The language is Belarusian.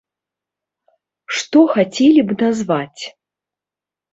Што хацелі б назваць?